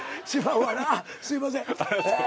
すいません。